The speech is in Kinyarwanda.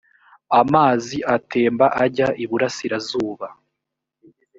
amazi atemba ajya i burasirazuba.